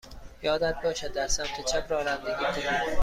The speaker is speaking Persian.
یادت باشد در سمت چپ رانندگی کنی.